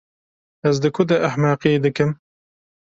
Ez di ku de ehmeqiyê dikim?